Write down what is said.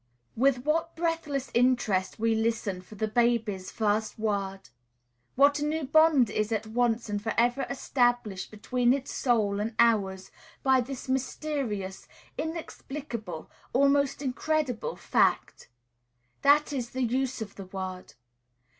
With what breathless interest we listen for the baby's first word! What a new bond is at once and for ever established between its soul and ours by this mysterious, inexplicable, almost incredible fact! That is the use of the word.